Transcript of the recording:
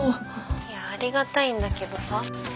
いやありがたいんだけどさ